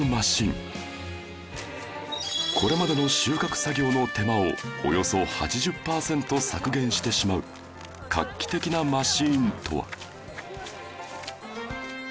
これまでの収穫作業の手間をおよそ８０パーセント削減してしまう画期的なマシンとは？